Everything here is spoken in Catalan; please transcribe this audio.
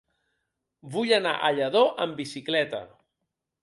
Vull anar a Lladó amb bicicleta.